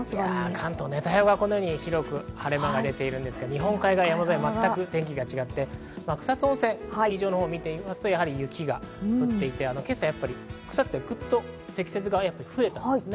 関東は大分晴れ間が出ているんですが日本海側山沿いは全く違って、草津温泉スキー場をみますと雪が降っていて、今朝、草津はグッと積雪が増えた感じなんですね。